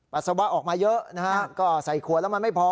ปัสสาวะออกมาเยอะนะฮะก็ใส่ขวดแล้วมันไม่พอ